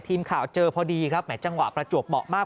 ทีมข่าวเจอพอดีครับแหมจังหวะประจวบเหมาะมาก